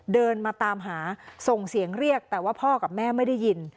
เดินมาตามหาส่งเสียงเรียกแต่ว่าพ่อกับแม่ไม่ได้ยิน